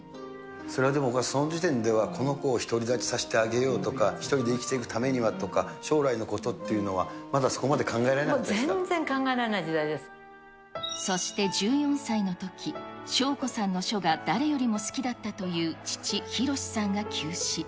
それはでもお母さん、その時点では、この子を独り立ちさせてあげようとか、１人で生きていくためにはとか、将来のことっていうのは、まだ、そこまで考えられもう、全然考えられない時代そして１４歳のとき、翔子さんの書が誰よりも好きだったという父、裕さんが急死。